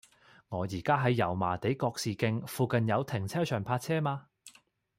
我依家喺油麻地覺士徑，附近有停車場泊車嗎